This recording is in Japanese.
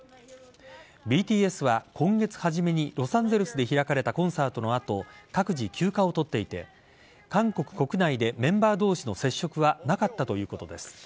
ＢＴＳは今月初めにロサンゼルスで開かれたコンサートの後各自、休暇を取っていて韓国国内でメンバー同士の接触はなかったということです。